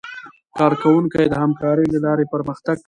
کارکوونکي د همکارۍ له لارې پرمختګ کوي